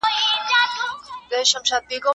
حق د احتساب لري